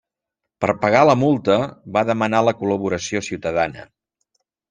Per pagar la multa, va demanar la col·laboració ciutadana.